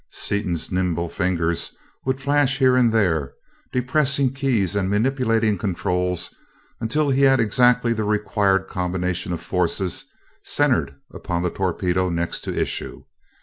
Seaton's nimble fingers would flash here and there, depressing keys and manipulating controls until he had exactly the required combination of forces centered upon the torpedo next to issue.